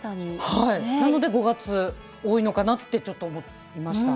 なので、５月多いのかなってちょっと思いました。